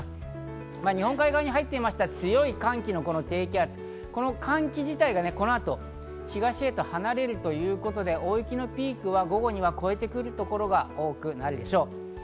日本海側に入っていました強い寒気の低気圧、この寒気自体がこの後、東へと離れるということで大雪のピークは午後には越えてくるところが多くなるでしょう。